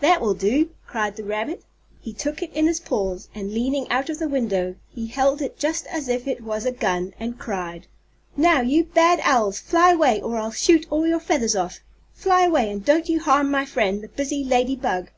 "That will do!" cried the rabbit. He took it in his paws and, leaning out of the window, he held it just as if it was a gun, and cried: "Now, you bad owls, fly away or I'll shoot all your feathers off! Fly away and don't you harm my friend, the busy lady bug!"